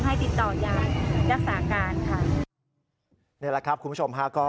ไม่ให้ปิดประตูอย่างดีค่ะเพราะว่าไม่ได้ติดต่อยานดักสาขา